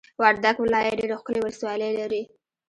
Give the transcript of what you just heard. وردګ ولایت ډېرې ښکلې ولسوالۍ لري!